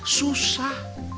apalagi di indonesia